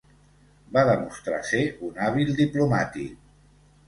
Va demostrar ser un hàbil diplomàtic.